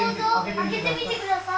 開けてみてください。